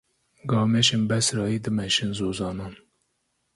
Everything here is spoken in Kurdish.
Gamêşên Besrayê dimeşin zozanan.